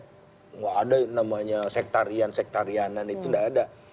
tidak ada namanya sektarian sektarianan itu tidak ada